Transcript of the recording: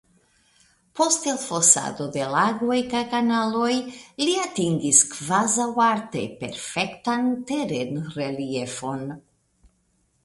Post elfosado de lagoj kaj kanaloj li atingis kvazaŭ arte perfektan terenreliefon.